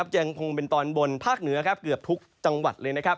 ยังคงเป็นตอนบนภาคเหนือคือเกือบทุกจังหวัดเลย